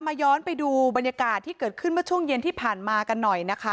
ย้อนไปดูบรรยากาศที่เกิดขึ้นเมื่อช่วงเย็นที่ผ่านมากันหน่อยนะคะ